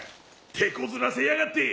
てこずらせやがって！